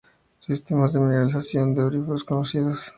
Sistemas de mineralización de auríferos conocidos.